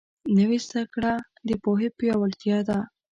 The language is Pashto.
نوې زده کړه د پوهې پیاوړتیا ده